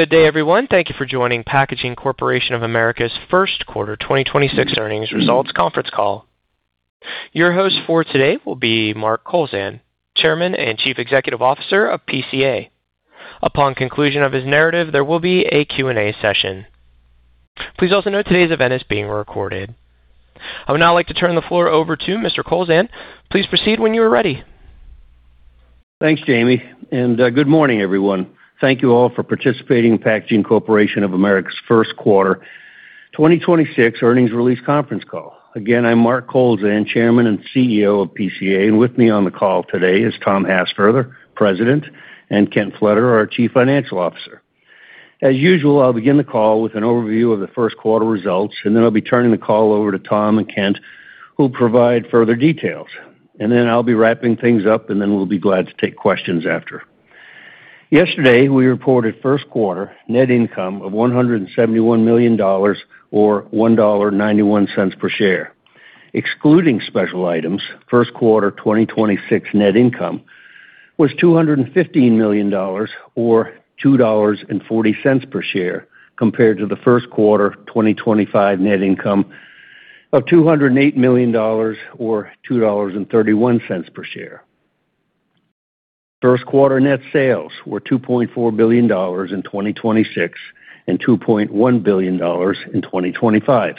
Good day, everyone. Thank you for joining Packaging Corporation of America's first quarter 2026 earnings results conference call. Your host for today will be Mark Kowlzan, Chairman and Chief Executive Officer of PCA. Upon conclusion of his narrative, there will be a Q&A session. Please also note today's event is being recorded. I would now like to turn the floor over to Mr. Kowlzan. Please proceed when you are ready. Thanks, Jamie, and good morning, everyone. Thank you all for participating in Packaging Corporation of America's first quarter 2026 earnings release conference call. Again, I'm Mark Kowlzan, Chairman and CEO of PCA, and with me on the call today is Tom Hassfurther, President, and Kent Pflederer, our Chief Financial Officer. As usual, I'll begin the call with an overview of the first quarter results, and then I'll be turning the call over to Tom and Kent, who'll provide further details. I'll be wrapping things up, and then we'll be glad to take questions after. Yesterday, we reported first quarter net income of $171 million, or $1.91 per share. Excluding special items, first quarter 2026 net income was $215 million, or $2.40 per share, compared to the first quarter 2025 net income of $208 million, or $2.31 per share. First quarter net sales were $2.4 billion in 2026 and $2.1 billion in 2025.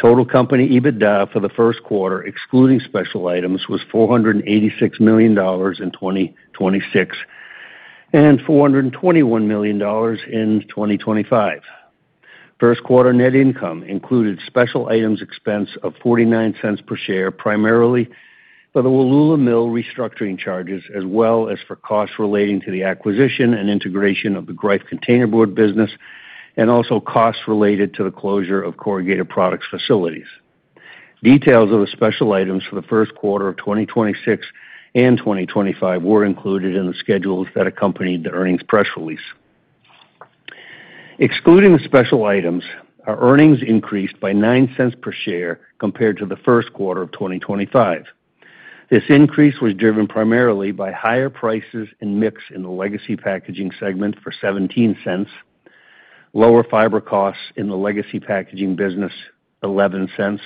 Total company EBITDA for the first quarter, excluding special items, was $486 million in 2026 and $421 million in 2025. First quarter net income included special items expense of $0.49 per share, primarily for the Wallula mill restructuring charges, as well as for costs relating to the acquisition and integration of the Greif containerboard business, and also costs related to the closure of corrugated products facilities. Details of the special items for the first quarter of 2026 and 2025 were included in the schedules that accompanied the earnings press release. Excluding the special items, our earnings increased by $0.09 per share compared to the first quarter of 2025. This increase was driven primarily by higher prices and mix in the legacy Packaging segment for $0.17, lower fiber costs in the legacy packaging business $0.11,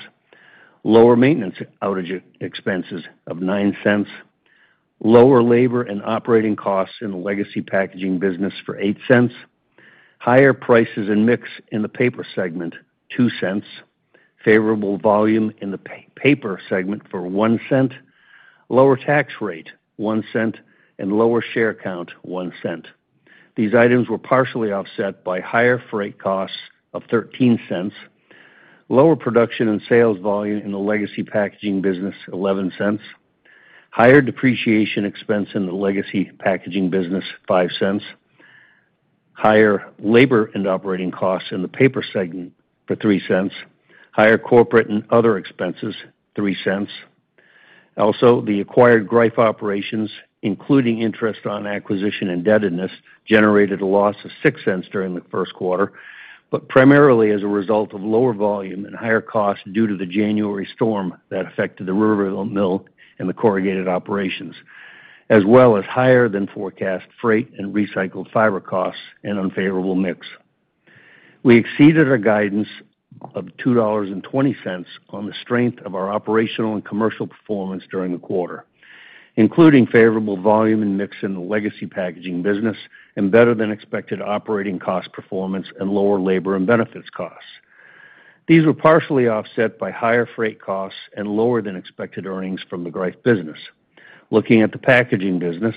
lower maintenance outage expenses of $0.09, lower labor and operating costs in the legacy packaging business for $0.08, higher prices and mix in the Paper segment $0.02, favorable volume in the Paper segment for $0.01, lower tax rate $0.01, and lower share count $0.01. These items were partially offset by higher freight costs of $0.13, lower production and sales volume in the legacy packaging business $0.11, higher depreciation expense in the legacy packaging business $0.05, higher labor and operating costs in the Paper segment for $0.03, higher corporate and other expenses $0.03. Also the acquired Greif operations, including interest on acquisition indebtedness, generated a loss of $0.06 during the first quarter, primarily as a result of lower volume and higher costs due to the January storm that affected the Riverville Mill and the corrugated operations, as well as higher than forecast freight and recycled fiber costs and unfavorable mix. We exceeded our guidance of $2.20 on the strength of our operational and commercial performance during the quarter, including favorable volume and mix in the legacy packaging business and better-than-expected operating cost performance and lower labor and benefits costs. These were partially offset by higher freight costs and lower than expected earnings from the Greif business. Looking at the packaging business,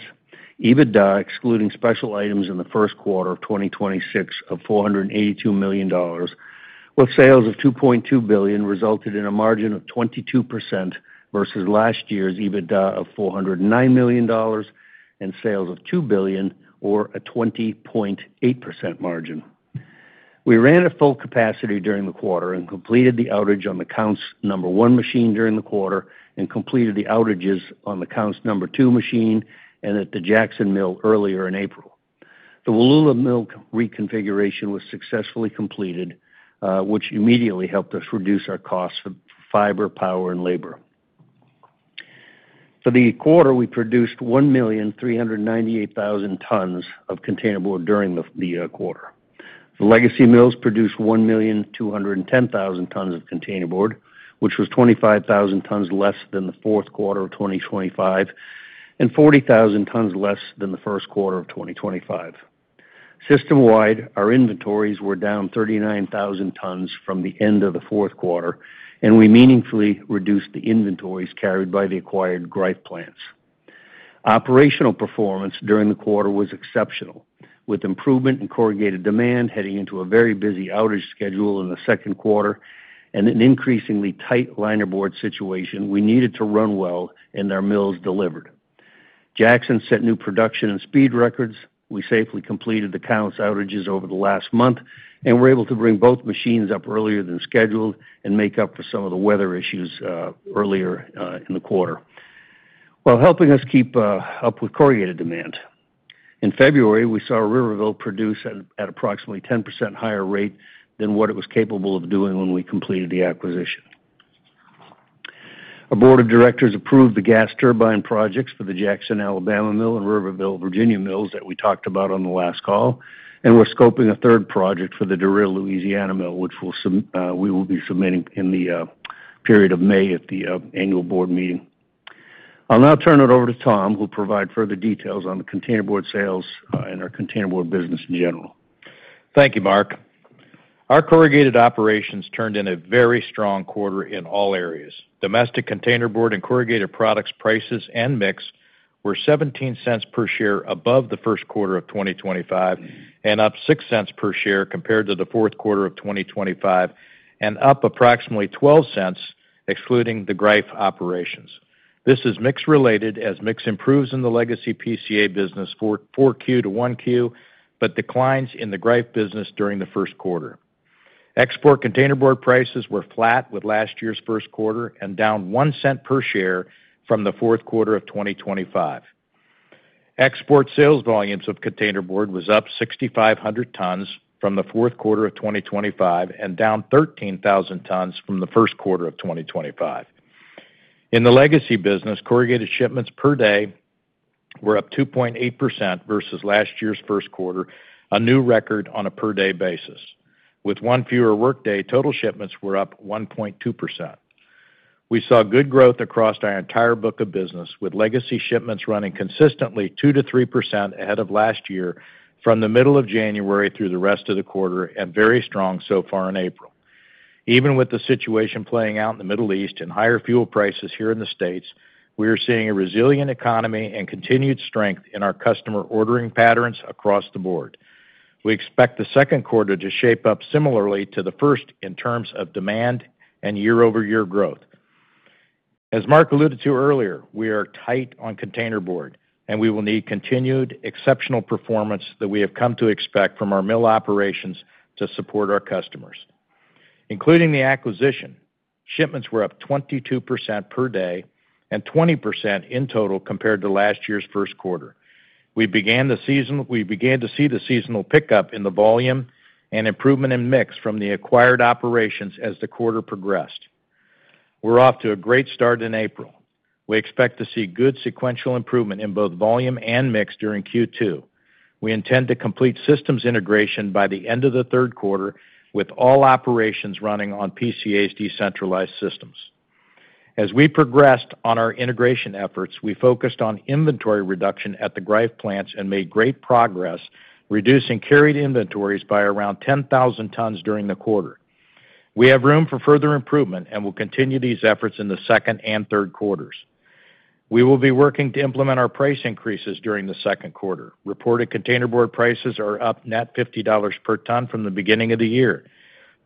EBITDA, excluding special items in the first quarter of 2026 of $482 million, with sales of $2.2 billion resulted in a margin of 22% versus last year's EBITDA of $409 million and sales of $2 billion, or a 20.8% margin. We ran at full capacity during the quarter and completed the outage on the Counce number one machine during the quarter and completed the outages on the Counce number two machine and at the Jackson Mill earlier in April. The Wallula mill reconfiguration was successfully completed, which immediately helped us reduce our costs of fiber, power, and labor. For the quarter, we produced 1,398,000 tons of containerboard during the quarter. The legacy mills produced 1,210,000 tons of containerboard, which was 25,000 tons less than the fourth quarter of 2025 and 40,000 tons less than the first quarter of 2025. System-wide, our inventories were down 39,000 tons from the end of the fourth quarter, and we meaningfully reduced the inventories carried by the acquired Greif plants. Operational performance during the quarter was exceptional, with improvement in corrugated demand heading into a very busy outage schedule in the second quarter and an increasingly tight linerboard situation. We needed to run well, and our mills delivered. Jackson set new production and speed records. We safely completed the Counce outages over the last month and were able to bring both machines up earlier than scheduled and make up for some of the weather issues earlier in the quarter, while helping us keep up with corrugated demand. In February, we saw Riverville produce at approximately 10% higher rate than what it was capable of doing when we completed the acquisition. Our Board of Directors approved the gas turbine projects for the Jackson, Alabama mill and Riverville, Virginia mills that we talked about on the last call, and we're scoping a third project for the DeRidder, Louisiana mill, which we will be submitting in the period of May at the annual board meeting. I'll now turn it over to Tom, who'll provide further details on the containerboard sales and our containerboard business in general. Thank you, Mark. Our corrugated operations turned in a very strong quarter in all areas. Domestic containerboard and corrugated products prices and mix were $0.17 per share above the first quarter of 2025, and up $0.06 per share compared to the fourth quarter of 2025, and up approximately $0.12 excluding the Greif operations. This is mix-related, as mix improves in the legacy PCA business 4Q to 1Q, but declines in the Greif business during the first quarter. Export containerboard prices were flat with last year's first quarter and down $0.01 per share from the fourth quarter of 2025. Export sales volumes of containerboard was up 6,500 tons from the fourth quarter of 2025, and down 13,000 tons from the first quarter of 2025. In the legacy business, corrugated shipments per day were up 2.8% versus last year's first quarter, a new record on a per-day basis. With one fewer workday, total shipments were up 1.2%. We saw good growth across our entire book of business, with legacy shipments running consistently 2%-3% ahead of last year from the middle of January through the rest of the quarter, and very strong so far in April. Even with the situation playing out in the Middle East and higher fuel prices here in the States, we are seeing a resilient economy and continued strength in our customer ordering patterns across the board. We expect the second quarter to shape up similarly to the first in terms of demand and year-over-year growth. As Mark alluded to earlier, we are tight on containerboard, and we will need continued exceptional performance that we have come to expect from our mill operations to support our customers. Including the acquisition, shipments were up 22% per day and 20% in total compared to last year's first quarter. We began to see the seasonal pickup in the volume and improvement in mix from the acquired operations as the quarter progressed. We're off to a great start in April. We expect to see good sequential improvement in both volume and mix during Q2. We intend to complete systems integration by the end of the third quarter, with all operations running on PCA's decentralized systems. As we progressed on our integration efforts, we focused on inventory reduction at the Greif plants and made great progress reducing carried inventories by around 10,000 tons during the quarter. We have room for further improvement and will continue these efforts in the second and third quarters. We will be working to implement our price increases during the second quarter. Reported containerboard prices are up net $50 per ton from the beginning of the year.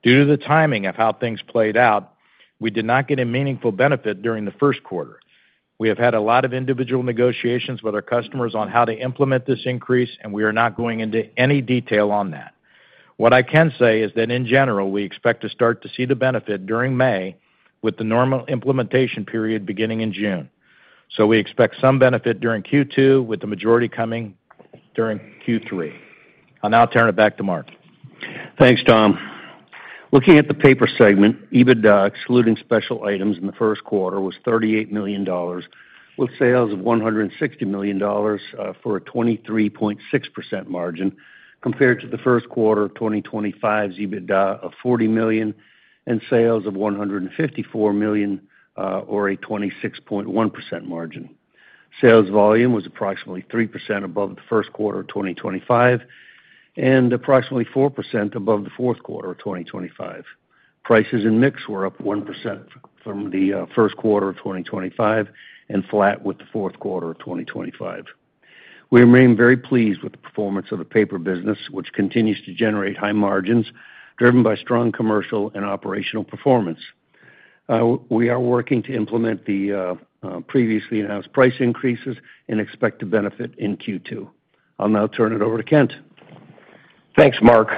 Due to the timing of how things played out, we did not get a meaningful benefit during the first quarter. We have had a lot of individual negotiations with our customers on how to implement this increase, and we are not going into any detail on that. What I can say is that in general, we expect to start to see the benefit during May, with the normal implementation period beginning in June. We expect some benefit during Q2, with the majority coming during Q3. I'll now turn it back to Mark. Thanks, Tom. Looking at the Paper segment, EBITDA excluding special items in the first quarter was $38 million, with sales of $160 million for a 23.6% margin, compared to the first quarter of 2025's EBITDA of $40 million and sales of $154 million, or a 26.1% margin. Sales volume was approximately 3% above the first quarter of 2025 and approximately 4% above the fourth quarter of 2025. Prices and mix were up 1% from the first quarter of 2025 and flat with the fourth quarter of 2025. We remain very pleased with the performance of the paper business, which continues to generate high margins driven by strong commercial and operational performance. We are working to implement the previously announced price increases and expect to benefit in Q2. I'll now turn it over to Kent. Thanks, Mark.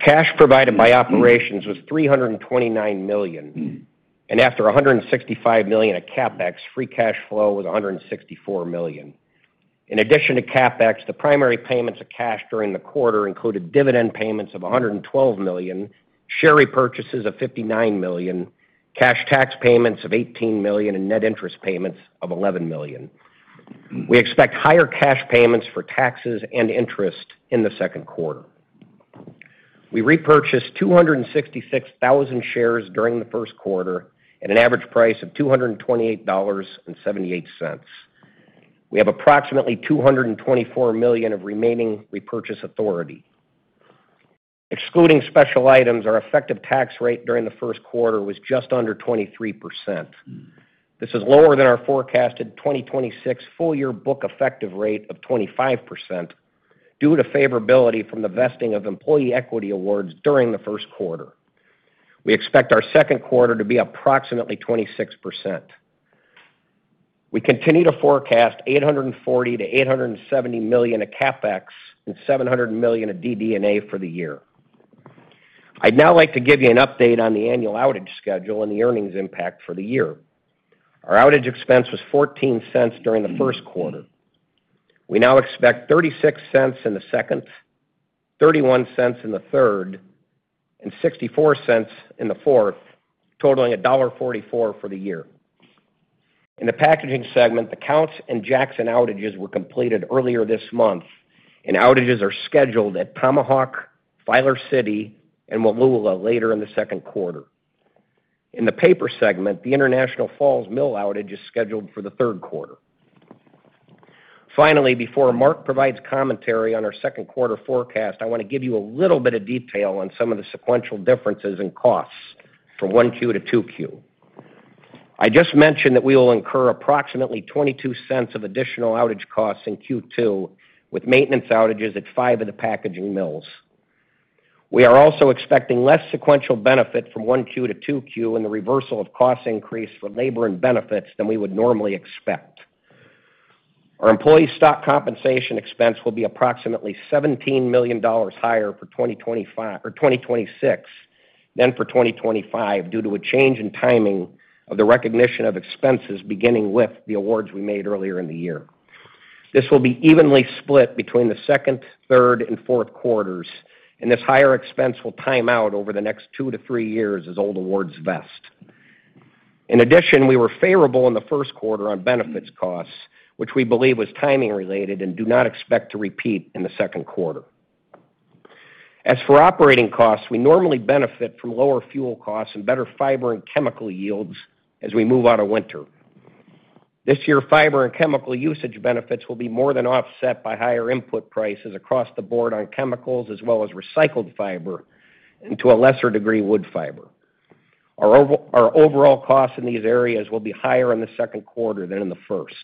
Cash provided by operations was $329 million, and after $165 million of CapEx, free cash flow was $164 million. In addition to CapEx, the primary payments of cash during the quarter included dividend payments of $112 million, share repurchases of $59 million, cash tax payments of $18 million, and net interest payments of $11 million. We expect higher cash payments for taxes and interest in the second quarter. We repurchased 266,000 shares during the first quarter at an average price of $228.78. We have approximately $224 million of remaining repurchase authority. Excluding special items, our effective tax rate during the first quarter was just under 23%. This is lower than our forecasted 2026 full-year book effective rate of 25% due to favorability from the vesting of employee equity awards during the first quarter. We expect our second quarter to be approximately 26%. We continue to forecast $840 million-$870 million of CapEx and $700 million of DD&A for the year. I'd now like to give you an update on the annual outage schedule and the earnings impact for the year. Our outage expense was $0.14 during the first quarter. We now expect $0.36 in the second, $0.31 in the third, and $0.64 in the fourth, totaling $1.44 for the year. In the Packaging segment, the Counce and Jackson outages were completed earlier this month, and outages are scheduled at Tomahawk, Filer City, and Wallula later in the second quarter. In the Paper segment, the International Falls mill outage is scheduled for the third quarter. Finally, before Mark provides commentary on our second quarter forecast, I want to give you a little bit of detail on some of the sequential differences in costs from 1Q to 2Q. I just mentioned that we will incur approximately $0.22 of additional outage costs in Q2, with maintenance outages at five of the packaging mills. We are also expecting less sequential benefit from 1Q to 2Q in the reversal of cost increase for labor and benefits than we would normally expect. Our employee stock compensation expense will be approximately $17 million higher for 2026 than for 2025 due to a change in timing of the recognition of expenses beginning with the awards we made earlier in the year. This will be evenly split between the second, third, and fourth quarters, and this higher expense will time out over the next two to three years as old awards vest. In addition, we were favorable in the first quarter on benefits costs, which we believe was timing related and do not expect to repeat in the second quarter. As for operating costs, we normally benefit from lower fuel costs and better fiber and chemical yields as we move out of winter. This year, fiber and chemical usage benefits will be more than offset by higher input prices across the board on chemicals, as well as recycled fiber, and to a lesser degree, wood fiber. Our overall costs in these areas will be higher in the second quarter than in the first.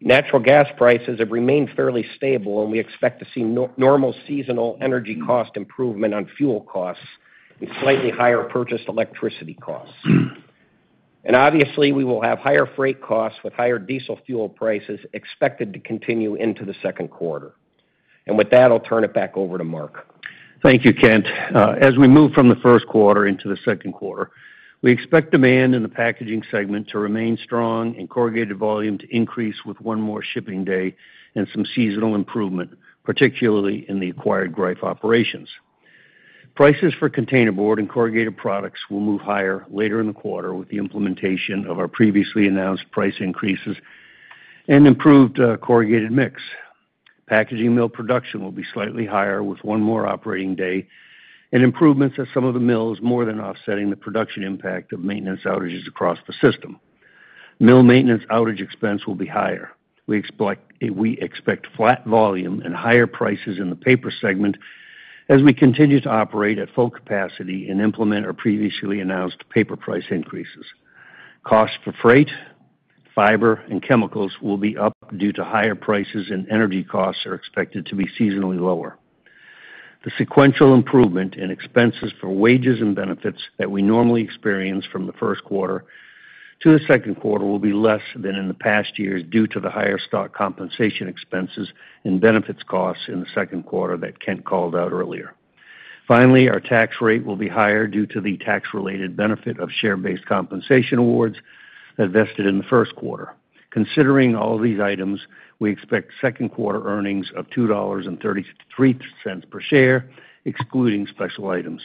Natural gas prices have remained fairly stable, and we expect to see normal seasonal energy cost improvement on fuel costs and slightly higher purchased electricity costs. Obviously, we will have higher freight costs with higher diesel fuel prices expected to continue into the second quarter. With that, I'll turn it back over to Mark. Thank you, Kent. As we move from the first quarter into the second quarter, we expect demand in the Packaging segment to remain strong and corrugated volume to increase with one more shipping day and some seasonal improvement, particularly in the acquired Greif operations. Prices for containerboard and corrugated products will move higher later in the quarter with the implementation of our previously announced price increases and improved corrugated mix. Packaging mill production will be slightly higher with one more operating day and improvements at some of the mills more than offsetting the production impact of maintenance outages across the system. Mill maintenance outage expense will be higher. We expect flat volume and higher prices in the Paper segment as we continue to operate at full capacity and implement our previously announced paper price increases. Costs for freight, fiber, and chemicals will be up due to higher prices, and energy costs are expected to be seasonally lower. The sequential improvement in expenses for wages and benefits that we normally experience from the first quarter to the second quarter will be less than in the past years due to the higher stock compensation expenses and benefits costs in the second quarter that Kent called out earlier. Finally, our tax rate will be higher due to the tax-related benefit of share-based compensation awards that vested in the first quarter. Considering all these items, we expect second quarter earnings of $2.33 per share, excluding special items.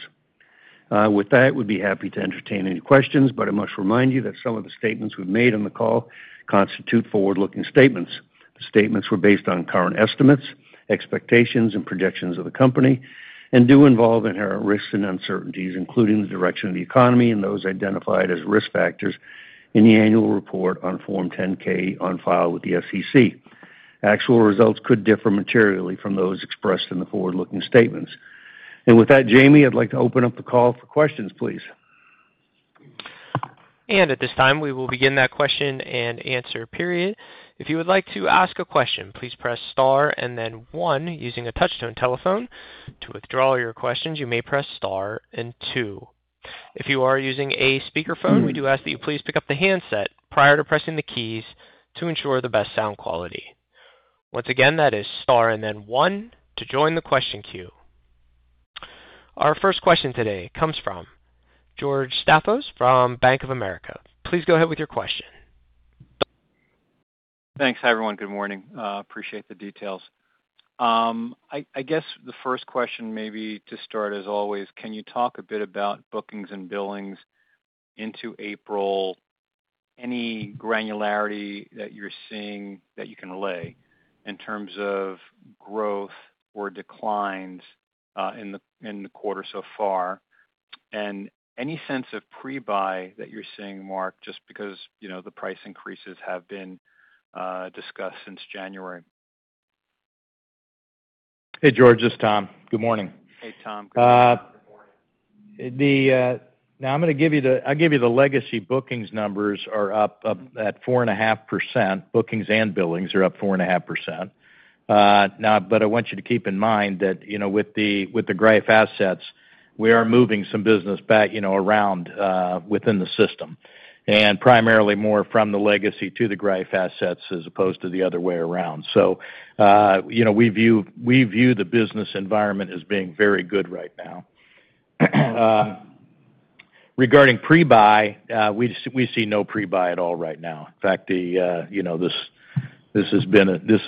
With that, we'd be happy to entertain any questions, but I must remind you that some of the statements we've made on the call constitute forward-looking statements. The statements were based on current estimates, expectations, and projections of the company and do involve inherent risks and uncertainties, including the direction of the economy and those identified as risk factors in the annual report on Form 10-K on file with the SEC. Actual results could differ materially from those expressed in the forward-looking statements. With that, Jamie, I'd like to open up the call for questions, please. At this time, we will begin that question-and-answer period. If you would like to ask a question, please press star and then one using a touch-tone telephone. To withdraw your questions, you may press star and two. If you are using a speakerphone, we do ask that you please pick up the handset prior to pressing the keys to ensure the best sound quality. Once again, that is star and then one to join the question queue. Our first question today comes from George Staphos from Bank of America. Please go ahead with your question. Thanks. Hi, everyone. Good morning. Appreciate the details. I guess the first question maybe to start, as always, can you talk a bit about bookings and billings into April? Any granularity that you're seeing that you can lay in terms of growth or declines in the quarter so far? And any sense of pre-buy that you're seeing, Mark, just because the price increases have been discussed since January. Hey, George, it's Tom. Good morning. Hey, Tom. Good morning. Now I'll give you the legacy bookings numbers are up at 4.5%. Bookings and billings are up 4.5%. I want you to keep in mind that with the Greif assets, we are moving some business back around within the system, and primarily more from the legacy to the Greif assets as opposed to the other way around. We view the business environment as being very good right now. Regarding pre-buy, we see no pre-buy at all right now. In fact, this has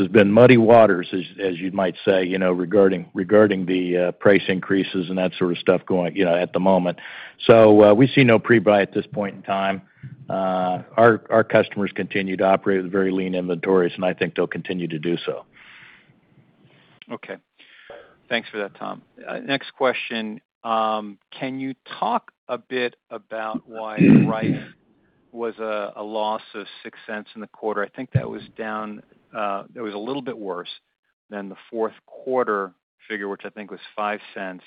been muddy waters, as you might say, regarding the price increases and that sort of stuff at the moment. We see no pre-buy at this point in time. Our customers continue to operate with very lean inventories, and I think they'll continue to do so. Okay. Thanks for that, Tom. Next question. Can you talk a bit about why Greif was a loss of $0.06 in the quarter? I think that was a little bit worse than the fourth quarter figure, which I think was $0.05.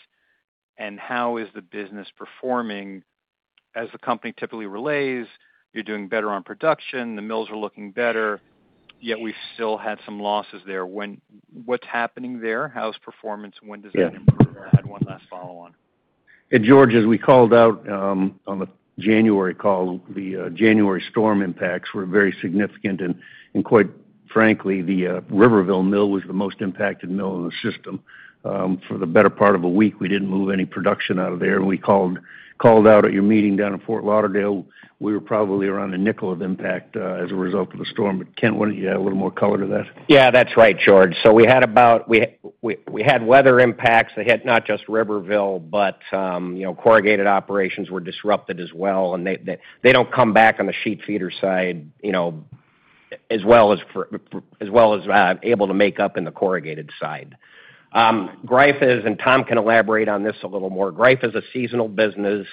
How is the business performing? As the company typically relays, you're doing better on production, the mills are looking better, yet we still had some losses there. What's happening there? How's performance, and when does that improve? I had one last follow-on. Hey, George, as we called out on the January call, the January storm impacts were very significant, and quite frankly, the Riverville Mill was the most impacted mill in the system. For the better part of a week, we didn't move any production out of there, and we called out at your meeting down in Fort Lauderdale. We were probably around a nickel of impact as a result of the storm. Kent, you want to add a little more color to that? Yeah. That's right, George. We had weather impacts that hit not just Riverville, but corrugated operations were disrupted as well, and they don't come back on the sheet feeder side as well as able to make up in the corrugated side. Greif is, and Tom can elaborate on this a little more. Greif is a seasonal business.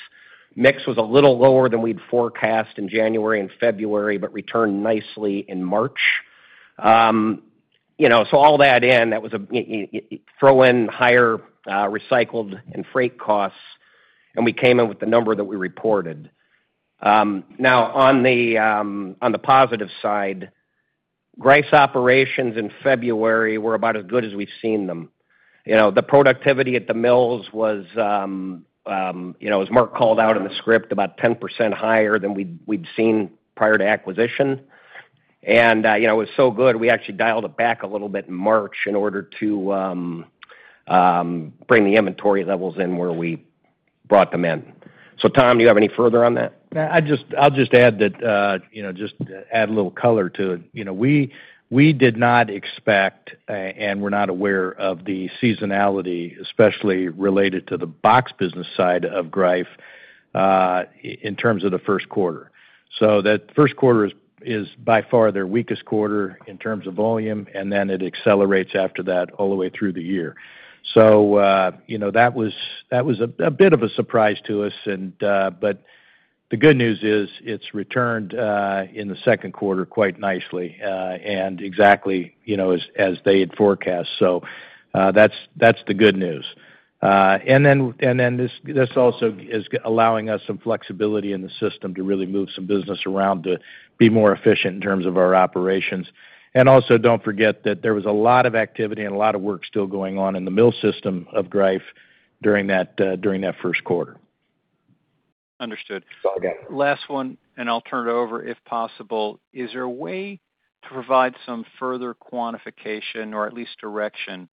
Mix was a little lower than we'd forecast in January and February, but returned nicely in March. All that in, throw in higher recycled and freight costs, and we came in with the number that we reported. Now, on the positive side, Greif's operations in February were about as good as we've seen them. The productivity at the mills was, as Mark called out in the script, about 10% higher than we'd seen prior to acquisition. It was so good, we actually dialed it back a little bit in March in order to bring the inventory levels in where we brought them in. Tom, do you have any further on that? I'll just add a little color to it. We did not expect, A, and we're not aware of the seasonality, especially related to the box business side of Greif, in terms of the first quarter. That first quarter is by far their weakest quarter in terms of volume, and then it accelerates after that all the way through the year. That was a bit of a surprise to us, but the good news is it's returned in the second quarter quite nicely, and exactly as they had forecast. That's the good news. This also is allowing us some flexibility in the system to really move some business around to be more efficient in terms of our operations. Also don't forget that there was a lot of activity and a lot of work still going on in the mill system of Greif during that first quarter. Understood. Okay. Last one, and I'll turn it over if possible. Is there a way to provide some further quantification or at least direction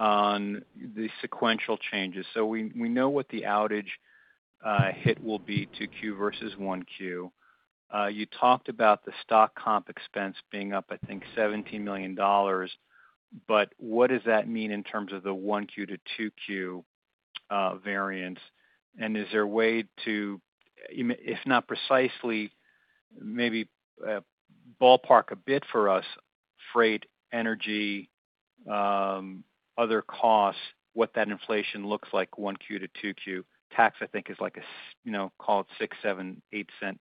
on the sequential changes? We know what the outage hit will be 2Q versus 1Q. You talked about the stock comp expense being up, I think, $17 million, but what does that mean in terms of the 1Q to 2Q variance? Is there a way to, if not precisely, maybe ballpark a bit for us, freight, energy, other costs, what that inflation looks like 1Q to 2Q? Tax, I think, is like, call it $0.06, $0.07, $0.08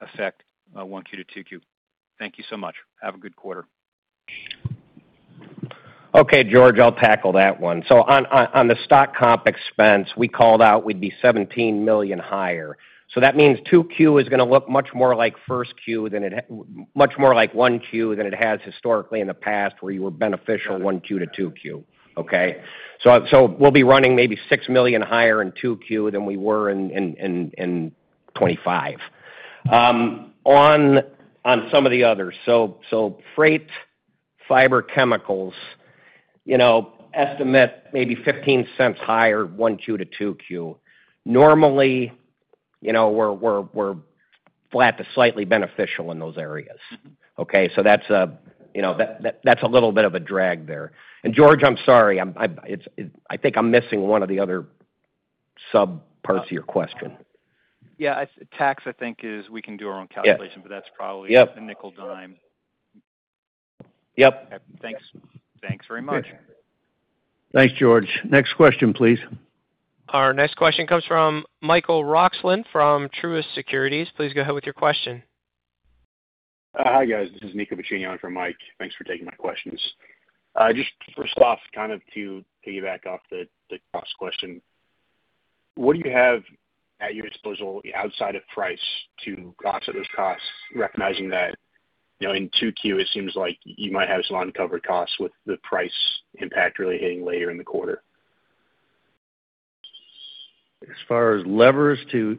effect, 1Q to 2Q. Thank you so much. Have a good quarter. Okay, George, I'll tackle that one. On the stock comp expense, we called out we'd be $17 million higher. That means 2Q is going to look much more like 1Q than it has historically in the past where you were beneficial 1Q to 2Q. Okay? We'll be running maybe $6 million higher in 2Q than we were in 2025. On some of the others. Freight, fiber chemicals, estimate maybe $0.15 higher 1Q to 2Q. Normally, we're flat to slightly beneficial in those areas. Okay? That's a little bit of a drag there. George, I'm sorry. I think I'm missing one of the other subparts of your question. Yeah. Tax, I think, is we can do our own calculation. Yes. That's probably. Yep. A nickel dime. Yep. Thanks. Thanks very much. Thanks, George. Next question, please. Our next question comes from Michael Roxland from Truist Securities. Please go ahead with your question. Hi, guys. This is [Nico Buccino] on for Mike. Thanks for taking my questions. Just first off, kind of to piggyback off the cost question, what do you have at your disposal outside of price to offset those costs, recognizing that in 2Q, it seems like you might have some uncovered costs with the price impact really hitting later in the quarter? As far as levers to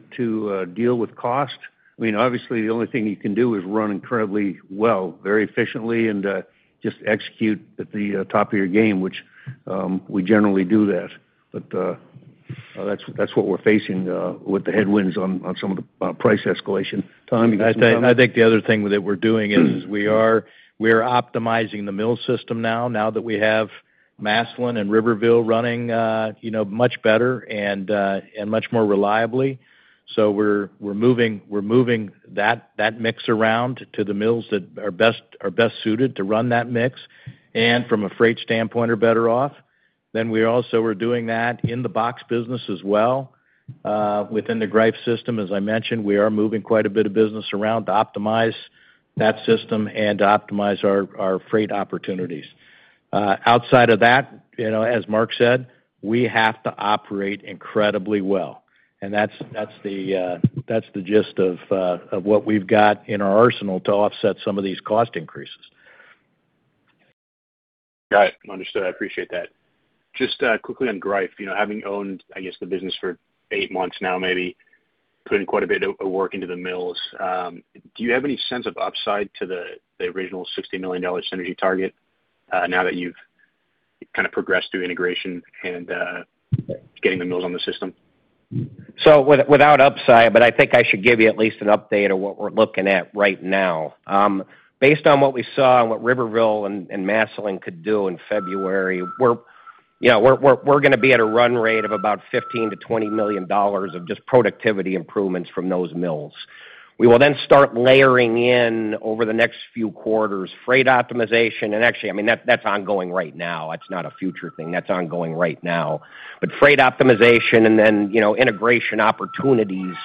deal with cost, obviously the only thing you can do is run incredibly well, very efficiently, and just execute at the top of your game, which we generally do that, but that's what we're facing with the headwinds on some of the price escalation. Tom, you got something? I think the other thing that we're doing is we are optimizing the mill system now that we have Massillon and Riverville running much better and much more reliably. We're moving that mix around to the mills that are best suited to run that mix, and from a freight standpoint, are better off. We also are doing that in the box business as well within the Greif system. As I mentioned, we are moving quite a bit of business around to optimize that system and to optimize our freight opportunities. Outside of that, as Mark said, we have to operate incredibly well, and that's the gist of what we've got in our arsenal to offset some of these cost increases. Got it. Understood. I appreciate that. Just quickly on Greif. Having owned, I guess, the business for eight months now maybe, putting quite a bit of work into the mills, do you have any sense of upside to the original $60 million synergy target now that you've kind of progressed through integration and getting the mills on the system? Without upside, but I think I should give you at least an update of what we're looking at right now. Based on what we saw and what Riverville and Massillon could do in February, we're going to be at a run rate of about $15 million-$20 million of just productivity improvements from those mills. We will then start layering in over the next few quarters, freight optimization, and actually, I mean, that's ongoing right now. That's not a future thing. That's ongoing right now. Freight optimization and then integration opportunities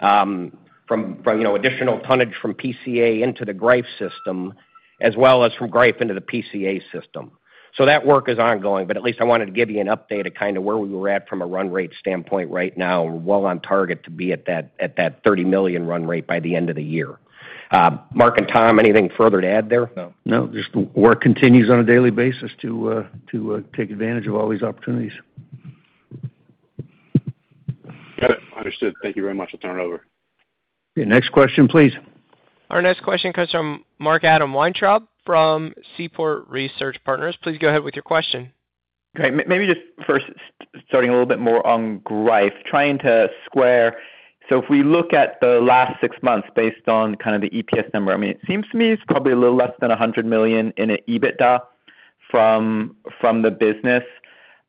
from additional tonnage from PCA into the Greif system, as well as from Greif into the PCA system. That work is ongoing, but at least I wanted to give you an update of kind of where we were at from a run rate standpoint right now. We're well on target to be at that $30 million run rate by the end of the year. Mark and Tom, anything further to add there? No. No. Just work continues on a daily basis to take advantage of all these opportunities. Got it. Understood. Thank you very much. I'll turn it over. Okay. Next question, please. Our next question comes from Mark Adam Weintraub from Seaport Research Partners. Please go ahead with your question. Okay. Maybe just first starting a little bit more on Greif, trying to square. If we look at the last six months based on kind of the EPS number, I mean, it seems to me it's probably a little less than $100 million in EBITDA from the business.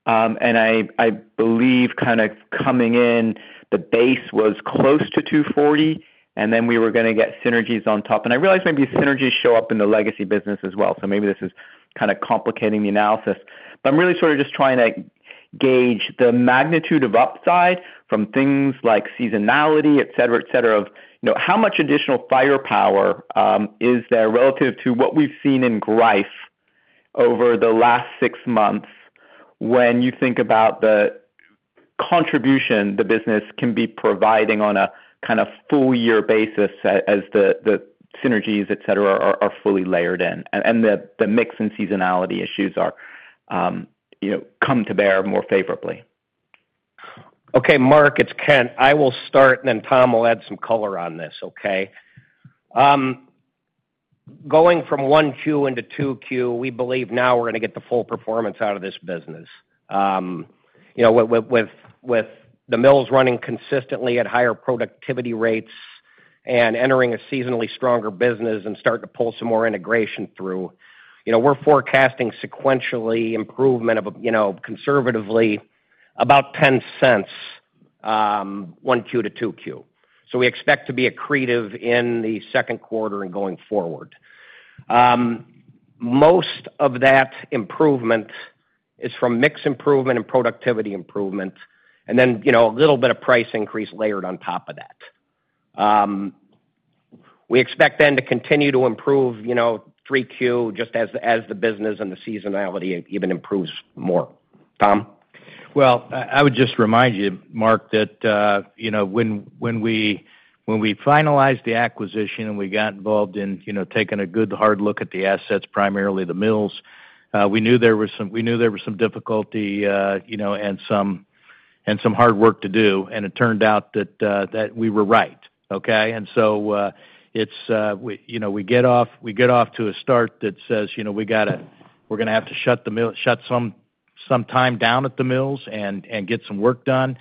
I believe kind of coming in, the base was close to $240 million, and then we were gonna get synergies on top. I realize maybe synergies show up in the legacy business as well, so maybe this is kind of complicating the analysis. I'm really sort of just trying to gauge the magnitude of upside from things like seasonality, et cetera. How much additional firepower is there relative to what we've seen in Greif over the last six months when you think about the contribution the business can be providing on a kind of full year basis as the synergies, et cetera, are fully layered in and the mix and seasonality issues come to bear more favorably? Okay, Mark, it's Kent. I will start, and then Tom will add some color on this, okay? Going from 1Q into 2Q, we believe now we're gonna get the full performance out of this business. With the mills running consistently at higher productivity rates and entering a seasonally stronger business and starting to pull some more integration through, we're forecasting sequentially improvement of, conservatively, about $0.10, 1Q to 2Q. We expect to be accretive in the second quarter and going forward. Most of that improvement is from mix improvement and productivity improvement, and then a little bit of price increase layered on top of that. We expect to continue to improve 3Q just as the business and the seasonality even improves more. Tom? Well, I would just remind you, Mark, that when we finalized the acquisition and we got involved in taking a good hard look at the assets, primarily the mills, we knew there was some difficulty and some hard work to do. It turned out that we were right, okay? We get off to a start that says we're gonna have to shut some time down at the mills and get some work done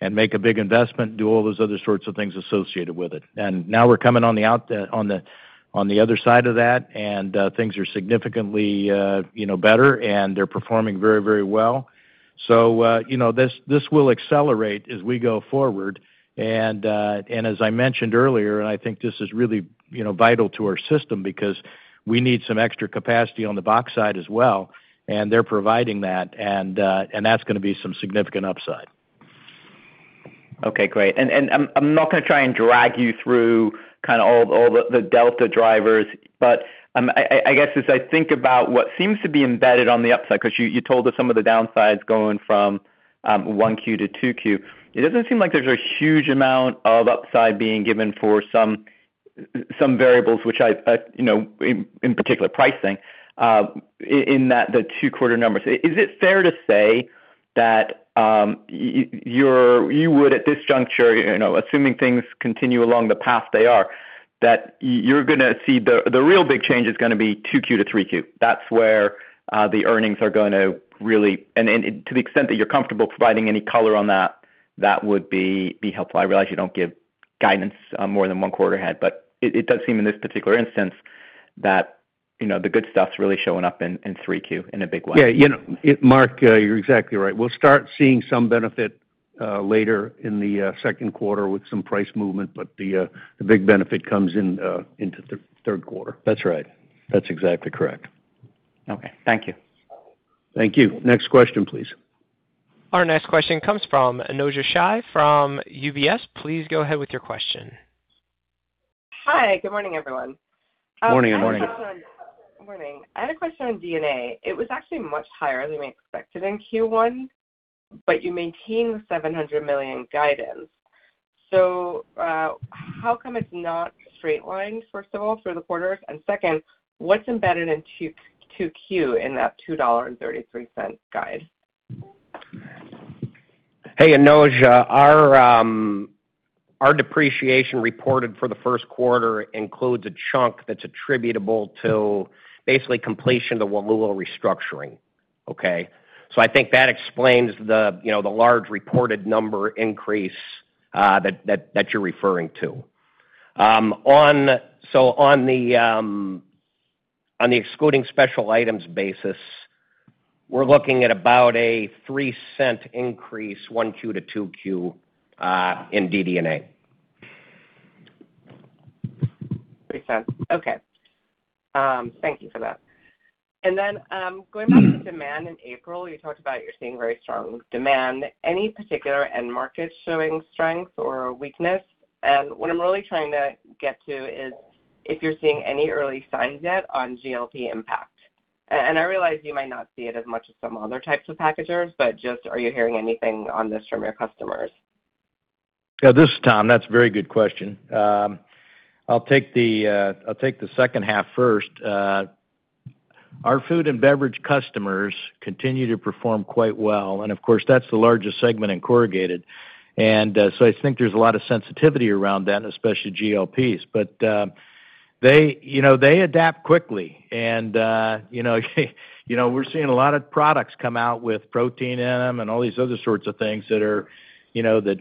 and make a big investment, do all those other sorts of things associated with it. Now we're coming on the other side of that, and things are significantly better, and they're performing very, very well. This will accelerate as we go forward. And as I mentioned earlier, and I think this is really vital to our system because we need some extra capacity on the box side as well, and they're providing that, and that's gonna be some significant upside. Okay, great. I'm not gonna try and drag you through kind of all the delta drivers, but I guess as I think about what seems to be embedded on the upside, because you told us some of the downsides going from 1Q to 2Q, it doesn't seem like there's a huge amount of upside being given for some variables, which, in particular, pricing, in the two quarter numbers. Is it fair to say that you would at this juncture, assuming things continue along the path they are. That you're going to see the real big change is going to be 2Q to 3Q. That's where the earnings are going to really. To the extent that you're comfortable providing any color on that would be helpful. I realize you don't give guidance on more than one quarter ahead, but it does seem in this particular instance that the good stuff's really showing up in 3Q in a big way. Yeah. Mark, you're exactly right. We'll start seeing some benefit later in the second quarter with some price movement, but the big benefit comes into the third quarter. That's right. That's exactly correct. Okay. Thank you. Thank you. Next question, please. Our next question comes from Anojja Shah from UBS. Please go ahead with your question. Hi, Good morning, everyone. Morning. Morning. I had a question on DD&A. It was actually much higher than we expected in Q1, but you maintained the $700 million guidance. How come it's not straight lined, first of all, through the quarters? Second, what's embedded in 2Q in that $2.33 guide? Hey, Anojja. Our depreciation reported for the first quarter includes a chunk that's attributable to basically completion of the Wallula restructuring. Okay? I think that explains the large reported number increase that you're referring to. On the excluding special items basis, we're looking at about a $0.03 increase 1Q to 2Q in DD&A. $0.03. Okay. Thank you for that. Going back to demand in April, you talked about you're seeing very strong demand. Any particular end markets showing strength or weakness? What I'm really trying to get to is if you're seeing any early signs yet on GLP impact. I realize you might not see it as much as some other types of packagers, but just are you hearing anything on this from your customers? Yeah, this is Tom. That's a very good question. I'll take the second half first. Our food and beverage customers continue to perform quite well, and of course, that's the largest segment in corrugated. I think there's a lot of sensitivity around that, especially GLPs. They adapt quickly. We're seeing a lot of products come out with protein in them and all these other sorts of things that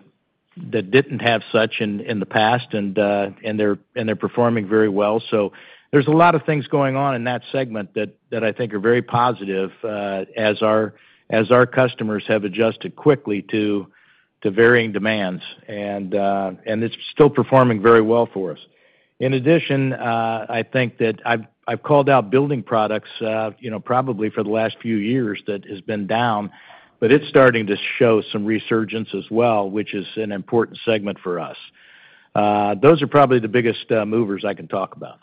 didn't have such in the past, and they're performing very well. There's a lot of things going on in that segment that I think are very positive as our customers have adjusted quickly to varying demands. It's still performing very well for us. In addition, I think that I've called out building products probably for the last few years that has been down, but it's starting to show some resurgence as well, which is an important segment for us. Those are probably the biggest movers I can talk about.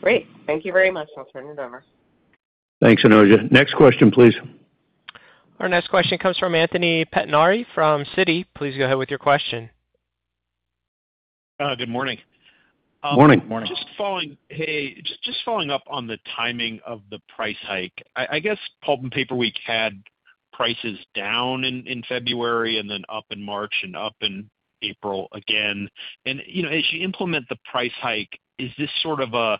Great. Thank you very much. I'll turn it over. Thanks, Anojja. Next question, please. Our next question comes from Anthony Pettinari from Citi. Please go ahead with your question. Good morning. Morning. Morning. Hey. Just following up on the timing of the price hike. I guess Pulp & Paper Week had prices down in February and then up in March and up in April again. As you implement the price hike, is this sort of a,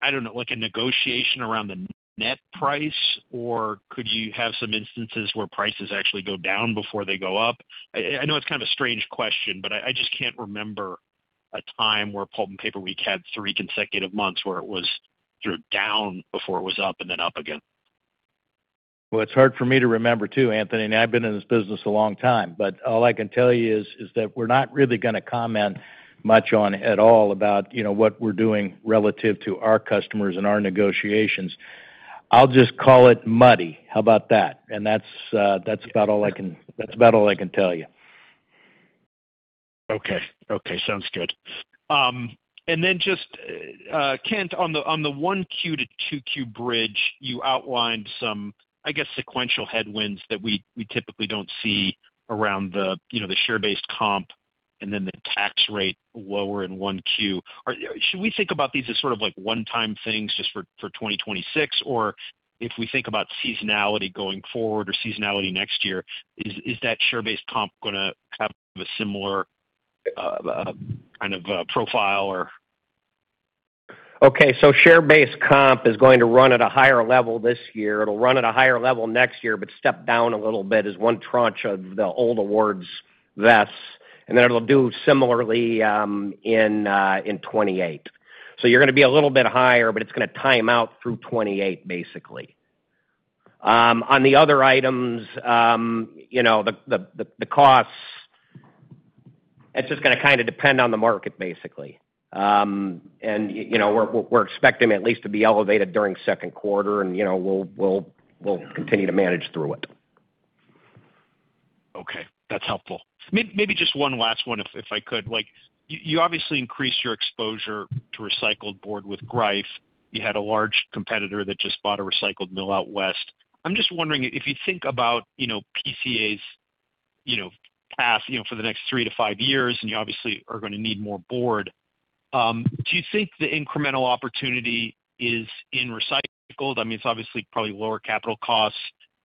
I don't know, like a negotiation around the net price, or could you have some instances where prices actually go down before they go up? I know it's kind of a strange question, but I just can't remember a time where Pulp & Paper Week had three consecutive months where it was down before it was up and then up again. Well, it's hard for me to remember too, Anthony, and I've been in this business a long time, but all I can tell you is that we're not really going to comment much on at all about what we're doing relative to our customers and our negotiations. I'll just call it muddy. How about that? That's about all I can tell you. Okay. Sounds good. Just, Kent, on the 1Q to 2Q bridge, you outlined some, I guess, sequential headwinds that we typically don't see around the share-based comp and then the tax rate lower in 1Q. Should we think about these as sort of like one-time things just for 2026? If we think about seasonality going forward or seasonality next year, is that share-based comp going to have a similar kind of profile or? Okay. Share-based comp is going to run at a higher level this year. It'll run at a higher level next year, but step down a little bit as one tranche of the old awards vests, and then it'll do similarly in 2028. You're going to be a little bit higher, but it's going to time out through 2028, basically. On the other items, the costs, it's just going to kind of depend on the market, basically. We're expecting at least to be elevated during the second quarter and we'll continue to manage through it. Okay. That's helpful. Maybe just one last one, if I could. You obviously increased your exposure to recycled board with Greif. You had a large competitor that just bought a recycled mill out West. I'm just wondering if you think about PCA's path for the next three to five years, and you obviously are going to need more board. Do you think the incremental opportunity is in recycled? I mean, it's obviously probably lower capital costs.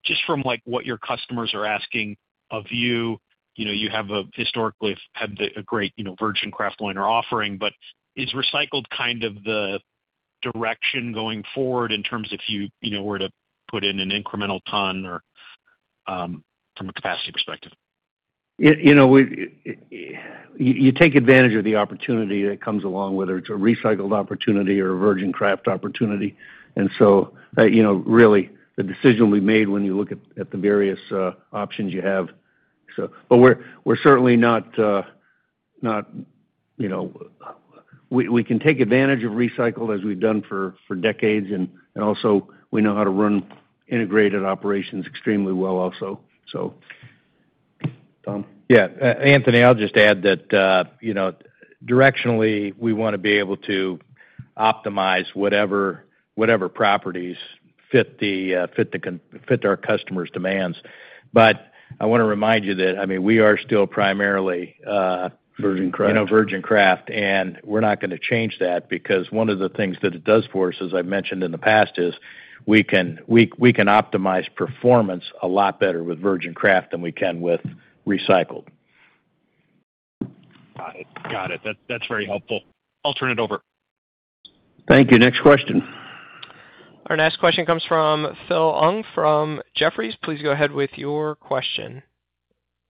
Just from, like, what your customers are asking of you. You have historically had a great virgin kraft liner offering, but is recycled kind of the direction going forward in terms of if you were to put in an incremental ton or from a capacity perspective? You take advantage of the opportunity that comes along, whether it's a recycled opportunity or a virgin kraft opportunity. Really, the decision will be made when you look at the various options you have. We can take advantage of recycled as we've done for decades, and also we know how to run integrated operations extremely well also. Tom? Yeah. Anthony, I'll just add that directionally, we want to be able to optimize whatever properties fit our customers' demands. I want to remind you that, I mean, we are still primarily- Virgin kraft Virgin kraft, and we're not going to change that because one of the things that it does for us, as I've mentioned in the past, is we can optimize performance a lot better with virgin kraft than we can with recycled. Got it. That's very helpful. I'll turn it over. Thank you. Next question. Our next question comes from Philip Ng from Jefferies. Please go ahead with your question.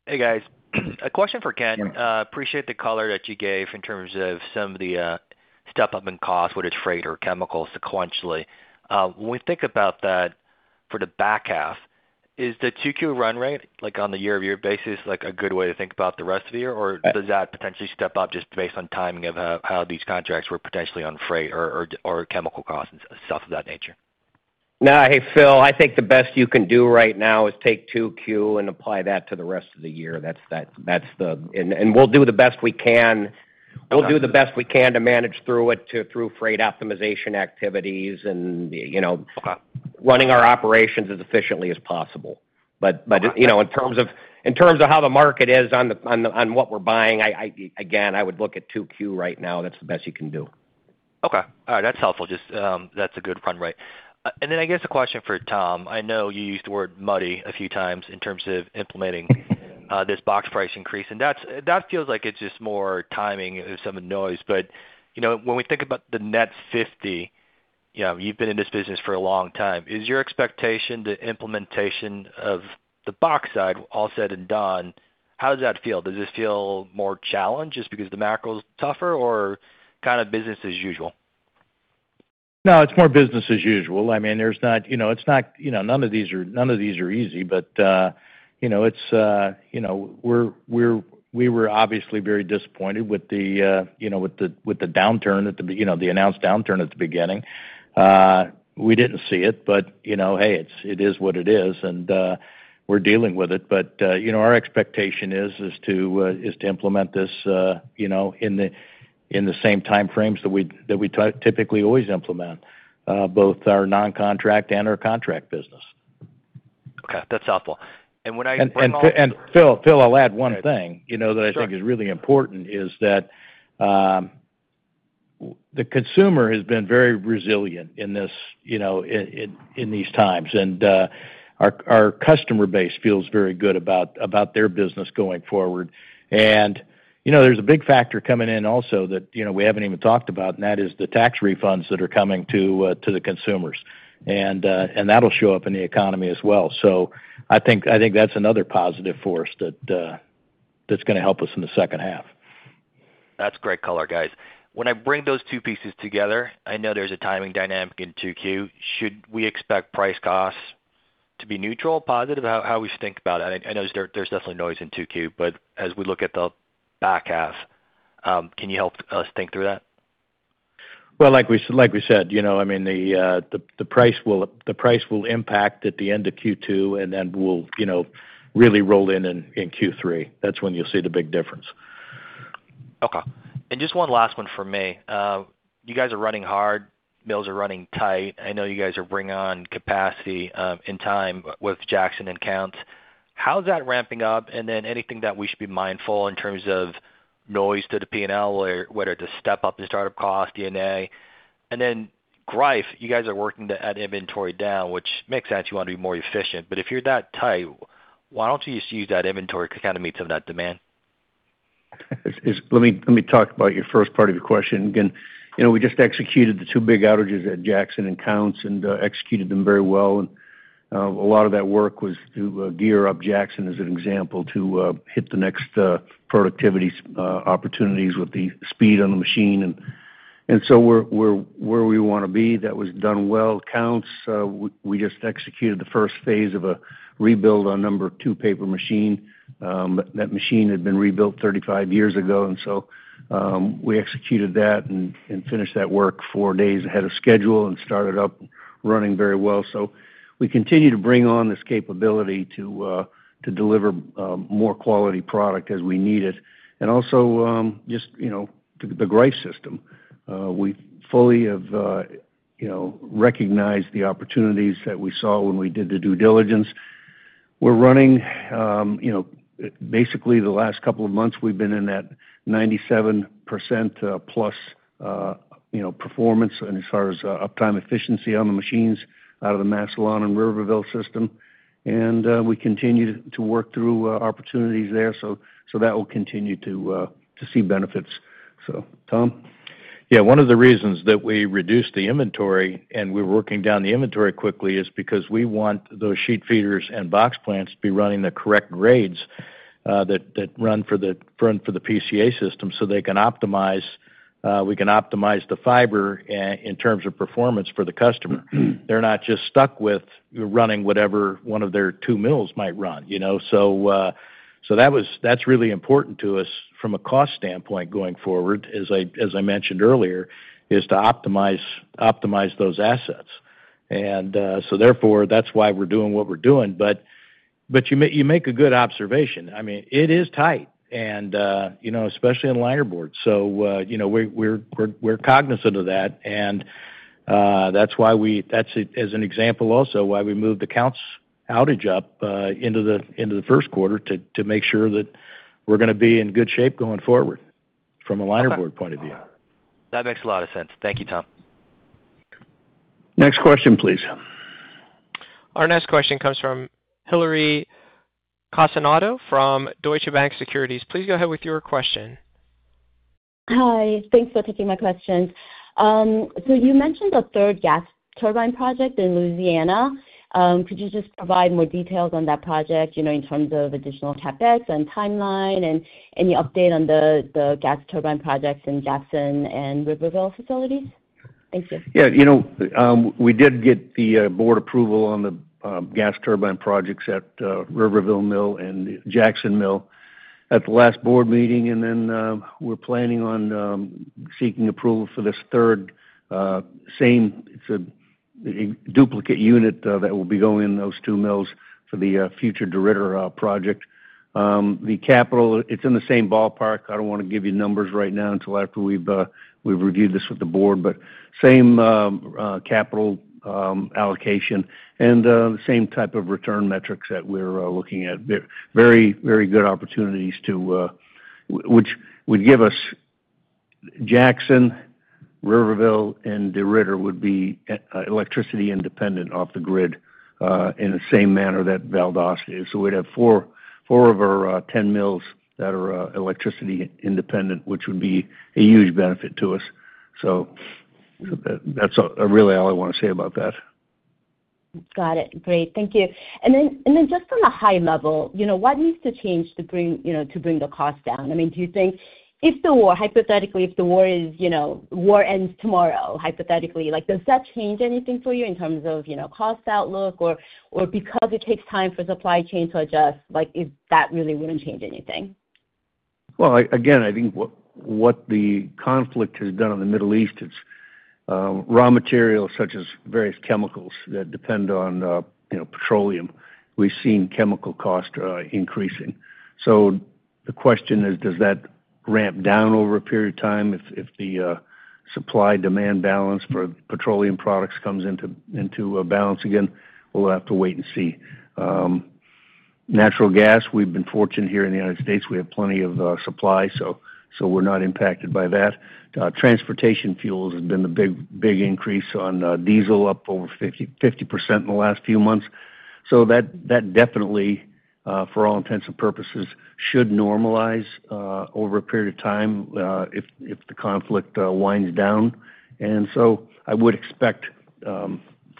Hey, guys. A question for Kent. Appreciate the color that you gave in terms of some of the step-up in cost, whether it's freight or chemicals sequentially. When we think about that for the back half, is the 2Q run rate, like, on the year-over-year basis, like, a good way to think about the rest of the year, or does that potentially step up just based on timing of how these contracts were potentially on freight or chemical costs and stuff of that nature? No. Hey, Phil, I think the best you can do right now is take 2Q and apply that to the rest of the year. We'll do the best we can to manage through it through freight optimization activities and running our operations as efficiently as possible. In terms of how the market is on what we're buying, again, I would look at 2Q right now. That's the best you can do. Okay. All right. That's helpful. That's a good run rate. Then I guess a question for Tom. I know you used the word muddy a few times in terms of implementing this box price increase, and that feels like it's just more timing and some noise, but when we think about the net $50, you've been in this business for a long time. Is your expectation the implementation of the box side, all said and done, how does that feel? Does it feel more challenged just because the macro's tougher or kind of business as usual? No, it's more business as usual. I mean, none of these are easy, but we were obviously very disappointed with the announced downturn at the beginning. We didn't see it, but hey, it is what it is, and we're dealing with it. Our expectation is to implement this in the same time frames that we typically always implement, both our non-contract and our contract business. Okay. That's helpful. Phil, I'll add one thing. Sure ...that I think is really important is that the consumer has been very resilient in these times, and our customer base feels very good about their business going forward. There's a big factor coming in also that we haven't even talked about, and that is the tax refunds that are coming to the consumers. That'll show up in the economy as well. I think that's another positive force that's going to help us in the second half. That's great color, guys. When I bring those two pieces together, I know there's a timing dynamic in 2Q. Should we expect price costs to be neutral, positive? How should we think about it? I know there's definitely noise in 2Q, but as we look at the back half, can you help us think through that? Well, like we said, I mean, the price will impact at the end of Q2, and then will really roll in in Q3. That's when you'll see the big difference. Okay. Just one last one from me. You guys are running hard. Mills are running tight. I know you guys are bringing on capacity in time with Jackson and Counce. How's that ramping up? Then anything that we should be mindful in terms of noise to the P&L, whether it's a step-up in startup cost, DD&A? Then Greif, you guys are working that inventory down, which makes sense, you want to be more efficient. But if you're that tight, why don't you just use that inventory to kind of meet some of that demand? Let me talk about your first part of your question. Again, we just executed the two big outages at Jackson and Counce, and executed them very well, and a lot of that work was to gear up Jackson, as an example, to hit the next productivity opportunities with the speed on the machine. We're where we want to be. That was done well. Counce, we just executed the first phase of a rebuild on number two paper machine. That machine had been rebuilt 35 years ago, and so we executed that and finished that work four days ahead of schedule and started up running very well. We continue to bring on this capability to deliver more quality product as we need it. Also just the Greif system. We fully have recognized the opportunities that we saw when we did the due diligence. We're running, basically the last couple of months, we've been in that 97%+ performance and as far as uptime efficiency on the machines out of the Massillon and Riverville system. We continue to work through opportunities there, so that will continue to see benefits. So, Tom? Yeah, one of the reasons that we reduced the inventory, and we're working down the inventory quickly, is because we want those sheet feeders and box plants to be running the correct grades that run for the PCA system so we can optimize the fiber in terms of performance for the customer. They're not just stuck with running whatever one of their two mills might run. That's really important to us from a cost standpoint going forward, as I mentioned earlier, is to optimize those assets. That's why we're doing what we're doing. You make a good observation. It is tight, especially in linerboard. We're cognizant of that, and that's why we, as an example also, why we moved the Counce outage up into the first quarter to make sure that we're going to be in good shape going forward from a linerboard point of view. That makes a lot of sense. Thank you, Tom. Next question, please. Our next question comes from Hillary Cacanando from Deutsche Bank Securities. Please go ahead with your question. Hi, thanks for taking my questions. You mentioned a third gas turbine project in Louisiana. Could you just provide more details on that project in terms of additional CapEx and timeline and any update on the gas turbine projects in Jackson and Riverville facilities? Thank you. Yeah. We did get the board approval on the gas turbine projects at Riverville Mill and Jackson Mill at the last board meeting, and then we're planning on seeking approval for this third same duplicate unit that will be going in those two mills for the future DeRidder project. The capital, it's in the same ballpark. I don't want to give you numbers right now until after we've reviewed this with the board, but same capital allocation and the same type of return metrics that we're looking at. Very good opportunities, which would give us Jackson, Riverville, and DeRidder would be electricity independent off the grid, in the same manner that Valdosta is. So we'd have four of our 10 mills that are electricity independent, which would be a huge benefit to us. So that's really all I want to say about that. Got it. Great. Thank you. Just on a high level, what needs to change to bring the cost down? Do you think if the war, hypothetically, if the war ends tomorrow, hypothetically, does that change anything for you in terms of cost outlook or because it takes time for supply chain to adjust, like if that really wouldn't change anything? Well, again, I think what the conflict has done in the Middle East, it's raw materials such as various chemicals that depend on petroleum. We've seen chemical cost increasing. The question is, does that ramp down over a period of time if the supply-demand balance for petroleum products comes into a balance again? We'll have to wait and see. Natural gas, we've been fortunate here in the United States. We have plenty of supply, so we're not impacted by that. Transportation fuels has been the big increase on diesel, up over 50% in the last few months. That definitely, for all intents and purposes, should normalize over a period of time if the conflict winds down. I would expect for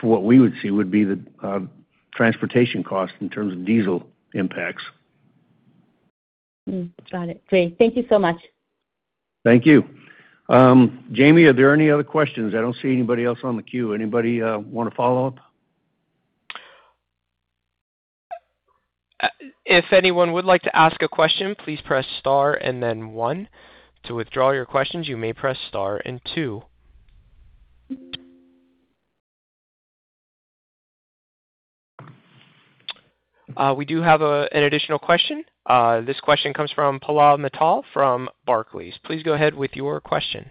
what we would see would be the transportation cost in terms of diesel impacts. Got it. Great. Thank you so much. Thank you. Jamie, are there any other questions? I don't see anybody else on the queue. Anybody want to follow up? If anyone would like to ask a question, please press star and then one. To withdraw your questions, you may press star and two. We do have an additional question. This question comes from Pallav Mittal from Barclays. Please go ahead with your question.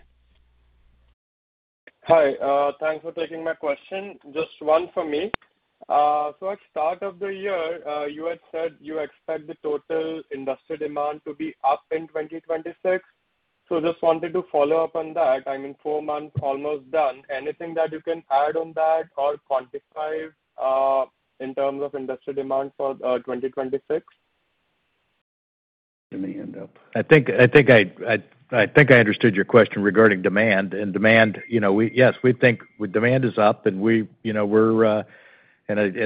Hi. Thanks for taking my question. Just one for me. At start of the year, you had said you expect the total industrial demand to be up in 2026. Just wanted to follow up on that. I mean, four months almost done. Anything that you can add on that or quantify in terms of industrial demand for 2026? Let me end up. I think I understood your question regarding demand. Demand, yes, we think demand is up, and I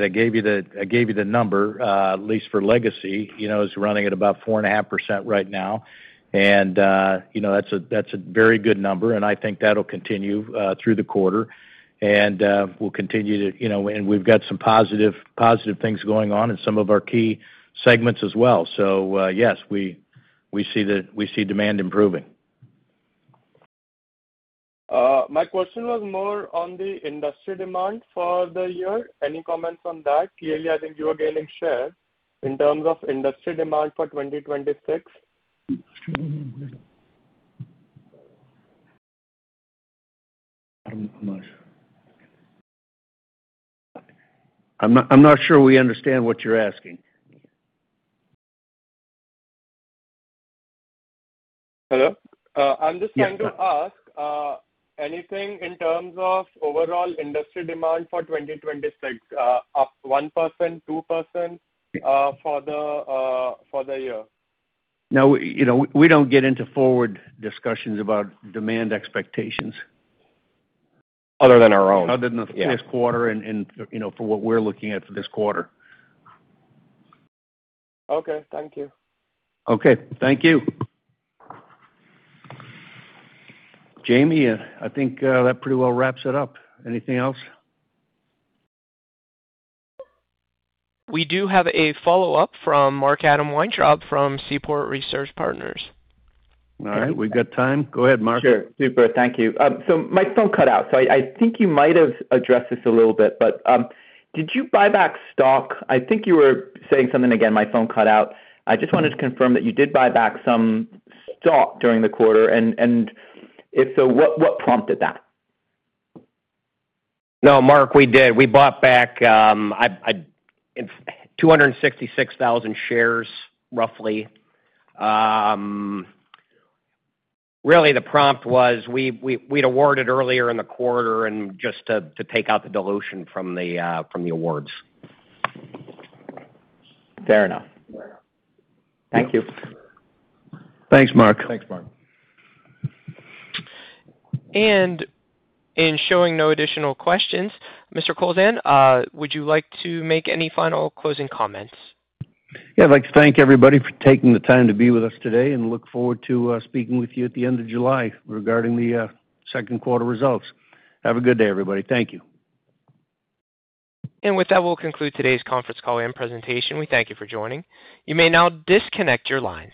gave you the number, at least for legacy, is running at about 4.5% right now. That's a very good number, and I think that'll continue through the quarter. We've got some positive things going on in some of our key segments as well. Yes, we see demand improving. My question was more on the industry demand for the year. Any comments on that? Clearly, I think you are gaining share in terms of industry demand for 2026. I'm not sure we understand what you're asking. Hello? Yes. I'm just trying to ask anything in terms of overall industry demand for 2026, up 1%, 2% for the year. No, we don't get into forward discussions about demand expectations. Other than our own. Other than for this quarter and for what we're looking at for this quarter. Okay, thank you. Okay, thank you. Jamie, I think that pretty well wraps it up. Anything else? We do have a follow-up from Mark Adam Weintraub from Seaport Research Partners. All right. We've got time. Go ahead, Mark. Sure. Super. Thank you. My phone cut out, so I think you might have addressed this a little bit, but did you buy back stock? I think you were saying something. Again, my phone cut out. I just wanted to confirm that you did buy back some stock during the quarter, and if so, what prompted that? No, Mark, we did. We bought back 266,000 shares, roughly. Really the prompt was, we'd awarded earlier in the quarter and just to take out the dilution from the awards. Fair enough. Thank you. Thanks, Mark. Thanks, Mark. Seeing no additional questions, Mr. Kowlzan, would you like to make any final closing comments? Yeah. I'd like to thank everybody for taking the time to be with us today and look forward to speaking with you at the end of July regarding the second quarter results. Have a good day, everybody. Thank you. With that, we'll conclude today's conference call and presentation. We thank you for joining. You may now disconnect your lines.